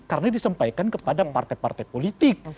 karena disampaikan kepada partai partai politik